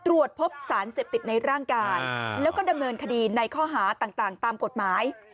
ตรวจพบสารเสพติดในร่างกายแล้วก็ดำเนินคดีในข้อหาต่างตามกฎหมาย